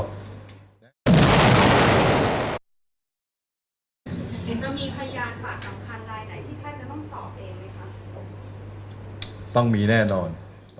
จะมีพยานหลักสำคัญใดใดที่แพทย์จะต้องตอบเองไหมคะต้องมีแน่นอน